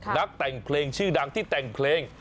นักแต่งเพลงชื่อดังที่แต่งเพลง